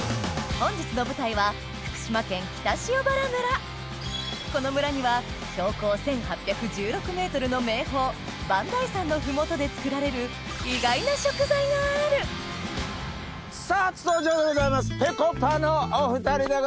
本日の舞台はこの村には標高１８１６ｍの名峰磐梯山の麓で作られる意外な食材があるさぁ初登場でございますぺこぱのお２人でございます。